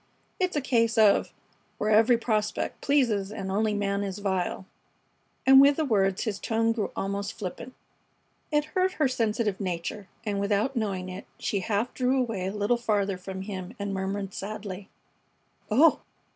It's a case of 'Where every prospect pleases and only man is vile.'" And with the words his tone grew almost flippant. It hurt her sensitive nature, and without knowing it she half drew away a little farther from him and murmured, sadly: "Oh!"